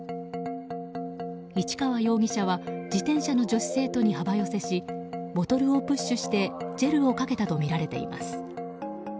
市川容疑者は自転車の女子生徒に幅寄せしボトルをプッシュしてジェルをかけたとみられます。